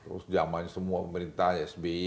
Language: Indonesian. terus zamannya semua pemerintah sby